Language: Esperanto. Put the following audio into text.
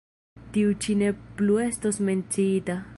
Tiu ĉi ne plu estos menciita.